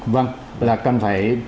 vâng là cần phải